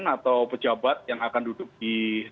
atau pejabat yang akan duduk di